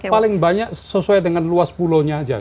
yang paling banyak sesuai dengan luas pulau nya aja